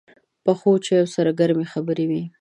پخو چایو سره ګرمې خبرې وي